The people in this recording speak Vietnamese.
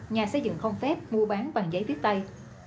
nhà xây dựng không phép mua bán bằng giấy viết tay